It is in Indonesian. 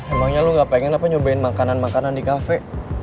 emangnya lo gak pengen lo nyobain makanan makanan di kafe